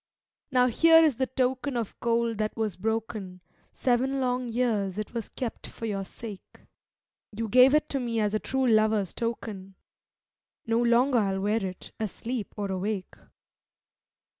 'Now here is the token of gold that was broken; Seven long years it was kept for your sake; You gave it to me as a true lover's token; No longer I'll wear it, asleep or awake.'